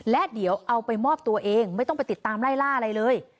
และเดี๋ยวเอาไปมอบตัวเองไม่ต้องไปติดตามไล่ล่าอะไรเลย